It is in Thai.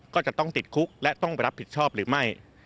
ก็จะต้องติดคุกและต้องไปรับผิดชอบหรือไม่